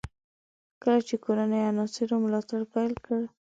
کله چې کورنیو عناصرو ملاتړ پیل کړ.